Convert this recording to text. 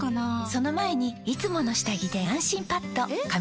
その前に「いつもの下着で安心パッド」え？！